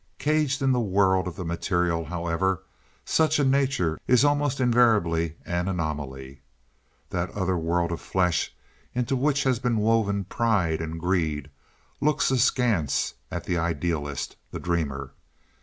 Caged in the world of the material, however, such a nature is almost invariably an anomaly. That other world of flesh into which has been woven pride and greed looks askance at the idealist, the dreamer.